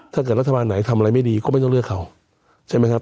ถ้าเกิดรัฐบาลไหนทำอะไรไม่ดีก็ไม่ต้องเลือกเขาใช่ไหมครับ